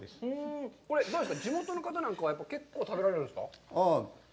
地元の方なんかは結構食べられるんですか。